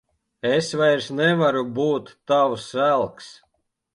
Es vairs nevaru būt tavs elks.